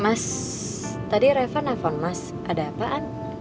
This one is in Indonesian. mas tadi reva nelfon mas ada apaan